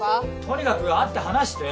とにかく会って話して！